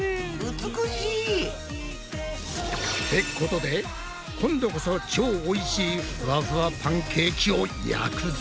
美しい！ってことで今度こそ超おいしいふわふわパンケーキを焼くぞ！